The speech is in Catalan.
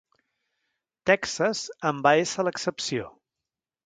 Texas en va ésser l'excepció.